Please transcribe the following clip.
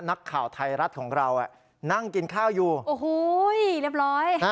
นักข่าวไทยรัฐของเรานั่งกินข้าวอยู่โอ้โหเรียบร้อย